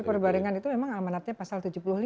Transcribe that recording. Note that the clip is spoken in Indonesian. perbaringan itu memang amanatnya pasal tujuh puluh lima